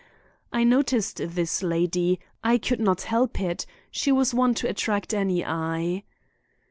I noticed this lady; I could not help it. She was one to attract any eye.